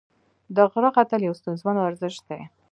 د غره ختل یو ستونزمن ورزش دی.